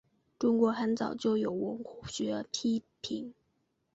中国很早就有文学批评。